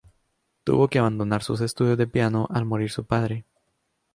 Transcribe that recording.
Tuvo que abandonar sus estudios de piano al morir su padre.